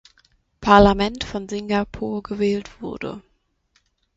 Parlament von Singapur gewählt wurde.